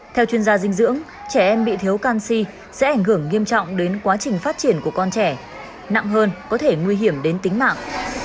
theo chuyên gia dinh dưỡng trẻ em bị thiếu canxi sẽ ảnh hưởng nghiêm trọng đến quá trình phát triển của con trẻ nặng hơn có thể nguy hiểm đến tính mạng